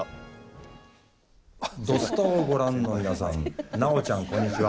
「土スタ」をご覧の皆さん南朋ちゃん、こんにちは。